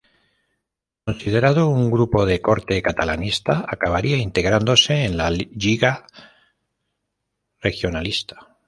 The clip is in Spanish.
Considerado un grupo de corte catalanista, acabaría integrándose en la Lliga Regionalista.